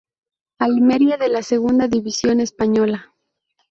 Almería de la segunda división española.